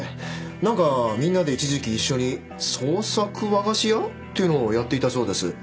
何かみんなで一時期一緒に創作和菓子屋っていうのをやっていたそうです。